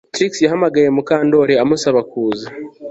Trix yahamagaye Mukandoli amusaba kuza